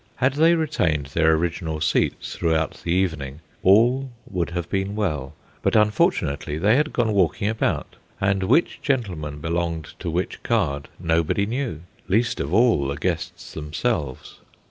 Had they retained their original seats throughout the evening all would have been well; but, unfortunately, they had gone walking about, and which gentleman belonged to which card nobody knew least of all the guests themselves.